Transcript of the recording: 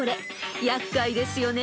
［厄介ですよね］